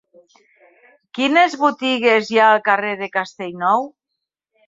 Quines botigues hi ha al carrer de Castellnou?